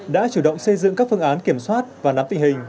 đã chủ động xây dựng các phương án kiểm soát và nắm tình hình